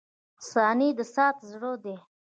• ثانیې د ساعت زړه دی.